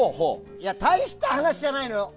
大した話じゃないのよ。